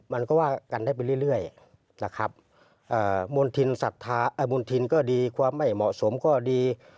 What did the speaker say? มันก็ว่ากันได้ไปเรื่อยนะครับมณฑินศรัทธามณฑินก็ดีความไม่เหมาะสมก็ดี